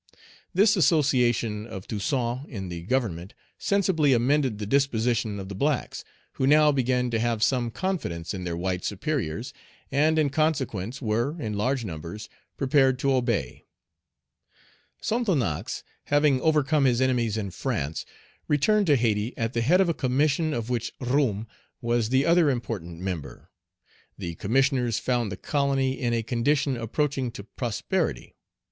This association of Toussaint in the Government sensibly amended the disposition of the blacks, who now began to have some confidence in their white superiors, and in consequence were, in large numbers, prepared to obey. Sonthonax, having overcome his enemies in France, returned to Hayti, at the head of a commission of which Roume was the other important member. The Commissioners found the colony in a condition approaching to prosperity.